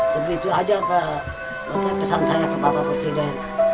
segitu saja pesan saya kepada bapak presiden